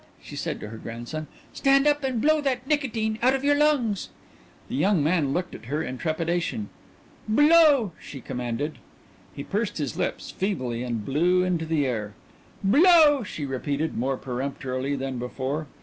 she said to her grandson, "stand up and blow that nicotine out of your lungs!" The young man looked at her in trepidation. "Blow!" she commanded. He pursed his lips feebly and blew into the air. "Blow!" she repeated, more peremptorily than before.